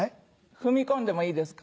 踏み込んでもいいですか？